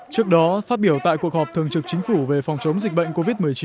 trước đó phát biểu tại cuộc họp thường trực chính phủ về phòng chống dịch bệnh covid một mươi chín